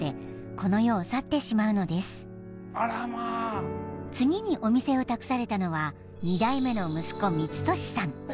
この世を去ってしまうのです次にお店を託されたのは二代目の息子充俊さん